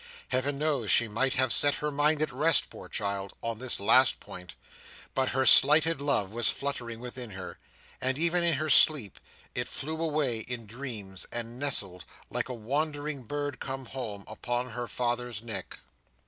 Heaven knows, she might have set her mind at rest, poor child! on this last point; but her slighted love was fluttering within her, and, even in her sleep, it flew away in dreams, and nestled, like a wandering bird come home, upon her father's neck.